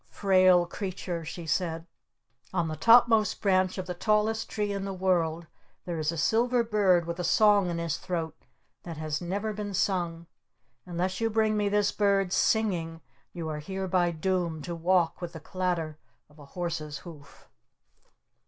"Frail Creature," she said. "On the topmost branch of the tallest tree in the world there is a silver bird with a song in his throat that has never been sung! Unless you bring me this bird singing you are hereby doomed to walk with the clatter of a Horse's Hoof!"